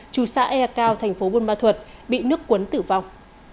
trù xã e cao thành phố bôn ma thuật bị nước cuốn tử vong